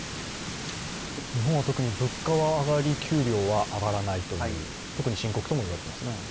日本は特に物価は上がり、給料は上がらないという、特に深刻ともいわれてますね。